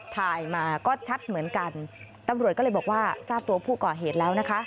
ถ่ายมาก็ชัดเหมือนกันตำรวจก็เลยบอกว่าทราบตัวผู้ก่อเหตุแล้วนะคะ